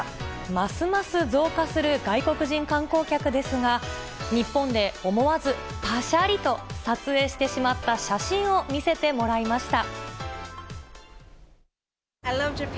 ますます増加する外国人観光客ですが、日本で思わずぱしゃりと撮影してしまった写真を見せてもらいました。